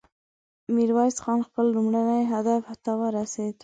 ميرويس خان خپل لومړني هدف ته ورسېد.